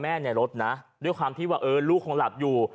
ในรถนะด้วยความที่ว่าเออลูกคงหลับอยู่